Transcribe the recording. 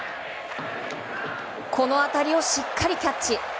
この当たりをしっかりキャッチ。